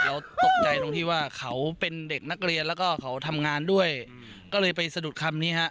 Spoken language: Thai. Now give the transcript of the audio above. เราตกใจตรงที่ว่าเขาเป็นเด็กนักเรียนแล้วก็เขาทำงานด้วยก็เลยไปสะดุดคำนี้ฮะ